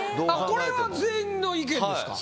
これは全員の意見ですか？